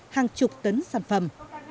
hàng chục tấn sản phẩm